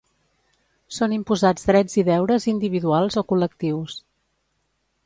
Són imposats drets i deures individuals o col·lectius.